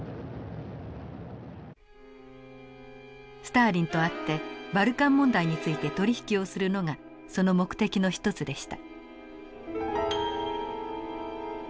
スターリンと会ってバルカン問題について取り引きをするのがその目的の一つでした。